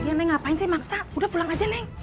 neng apaan sih maksa udah pulang aja neng